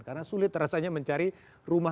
karena sulit rasanya mencari rumah